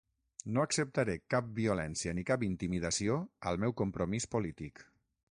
No acceptaré cap violència ni cap intimidació al meu compromís polític.